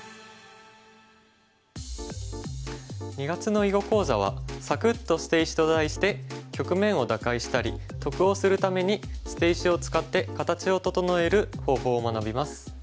２月の囲碁講座は「サクッ！と捨て石」と題して局面を打開したり得をするために捨て石を使って形を整える方法を学びます。